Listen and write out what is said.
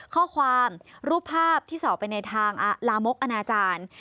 ข้อความรูปภาพที่สอบไปในทางลามกอนาจารย์